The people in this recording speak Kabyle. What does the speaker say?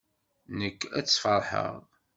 Nekk ad tt-sfeṛḥeɣ.